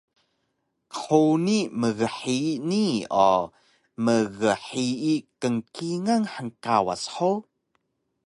Qhuni mghiyi nii o mghiyi kngkingal hngkawas hug?